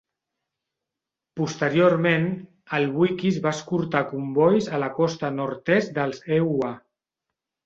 Posteriorment, el "Wickes" va escortar combois a la costa nord-est dels EUA.